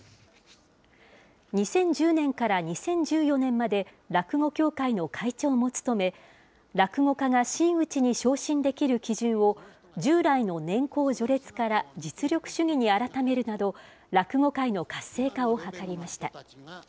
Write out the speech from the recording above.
２０１０年から２０１４年まで、落語協会の会長も務め、落語家が真打ちに昇進できる基準を従来の年功序列から実力主義に改めるなど、落語界の活性化を図りました。